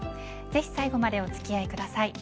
ぜひ最後までお付き合いください。